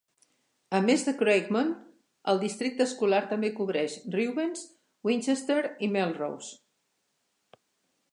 A més de Craigmont, el districte escolar també cobreix Reubens, Winchester i Melrose.